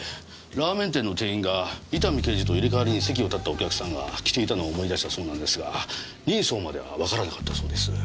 ラーメン店の店員が伊丹刑事と入れ代わりに席を立ったお客さんが着ていたのを思い出したそうなんですが人相まではわからなかったそうです。